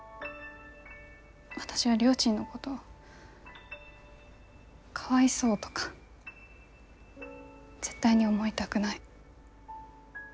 私はりょーちんのことかわいそうとか絶対に思いたくない。